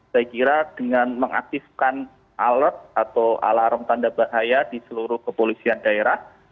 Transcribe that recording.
saya kira dengan mengaktifkan alat atau alarm tanda bahaya di seluruh kepolisian daerah